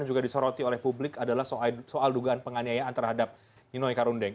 dan juga disoroti oleh publik adalah soal dugaan penganiayaan terhadap nino ika rundeng